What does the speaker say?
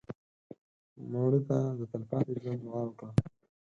مړه ته د تلپاتې ژوند دعا وکړه